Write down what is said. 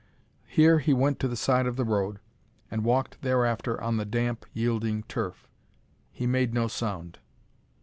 Here he went to the side of the road, and walked thereafter on the damp, yielding turf. He made no sound.